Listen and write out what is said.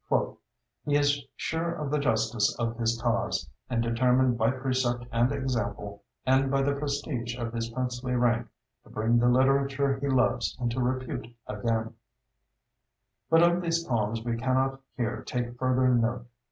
"He is sure of the justice of his cause, and determined by precept and example and by the prestige of his princely rank to bring the literature he loves into repute again." But of these poems we cannot here take further note.